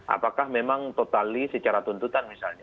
apakah memang totali secara tuntutan misalnya